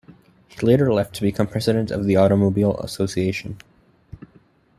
He later left to become president of the Automobile Association.